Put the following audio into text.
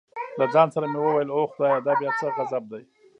له ځان سره مې وویل اوه خدایه دا بیا څه غضب دی.